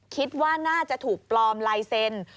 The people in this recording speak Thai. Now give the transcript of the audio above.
คิดว่าน่าจะถูกปลอมลายเซ็นต์